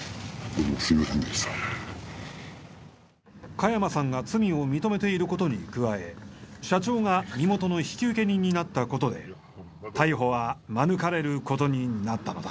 加山さんが罪を認めていることに加え社長が身元の引受人になったことで逮捕は免れることになったのだ。